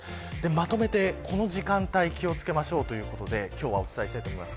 まとめて、この時間帯気を付けましょうということでお伝えしたいと思います。